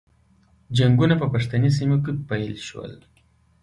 جنګونه په پښتني سیمو کې پیل شول.